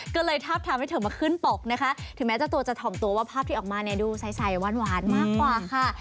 ก็เลยทาบทำให้เธอมาขึ้นปกนะคะถึงแม้เจ้าตัวจะถ่อมตัวว่าภาพที่ออกมาเนี่ยดูใสหวานมากกว่าค่ะ